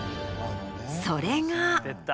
それが。